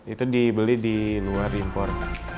itu dibeli di luar impor